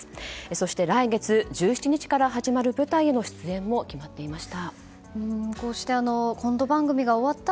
そして来月１７日から始まる舞台への出演も決まっていました。